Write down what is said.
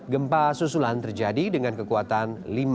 gempa susulan terjadi dengan kekuatan lima